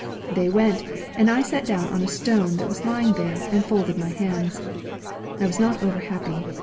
They went, and I sat down on a stone that was lying there and folded my hands. I was not over happy.